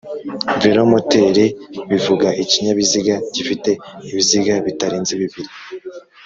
velomoteri bivuga ikinyabiziga gifite ibiziga bitarenze bibiri